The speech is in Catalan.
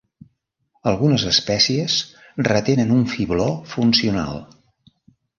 Algunes espècies retenen un fibló funcional.